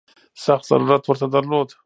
سخت ضرورت ورته درلود.